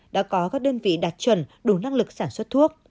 đã có các đơn vị đạt chuẩn đủ năng lực sản xuất thuốc